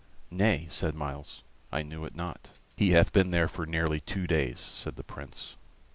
"Nay," said Myles; "I knew it not." "He hath been there for nearly two days," said the Prince.